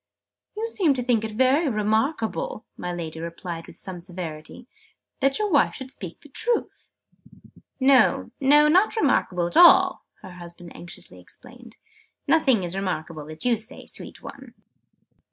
"You seem to think it very remarkable," my Lady remarked with some severity, "that your wife should speak the truth!" "No, not remarkable at all!" her husband anxiously explained. "Nothing is remarkable that you say, sweet one!"